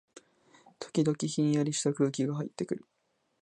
時々、ひんやりした空気がはいってくる